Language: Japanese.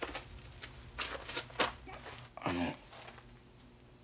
あの。